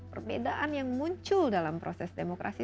perbedaan yang muncul dalam proses demokrasi